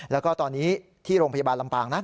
แล้วก็ตอนนี้ที่โรงพยาบาลลำปางนะ